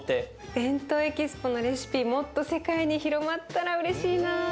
「ＢＥＮＴＯＥＸＰＯ」のレシピもっと世界に広まったらうれしいな。